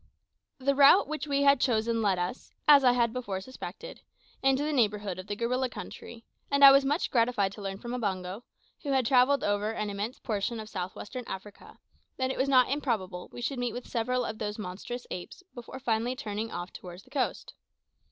The route which we had chosen led us, as I had before suspected, into the neighbourhood of the gorilla country, and I was much gratified to learn from Mbango, who had travelled over an immense portion of south western Africa, that it was not improbable we should meet with several of those monstrous apes before finally turning off towards the coast.